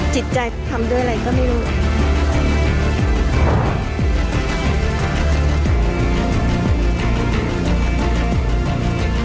จิตใจทำด้วยอะไรก็ไม่รู้